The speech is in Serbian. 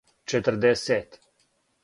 четрдесет